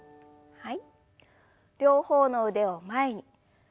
はい。